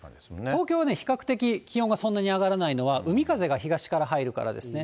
東京は比較的気温がそんなに上がらないのは、海風が東から入るからですね。